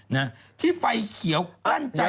นะที่ไฟเขียวกลั้นใจ